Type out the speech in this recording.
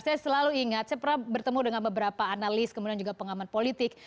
saya selalu ingat saya pernah bertemu dengan beberapa analis kemudian juga pengamat politik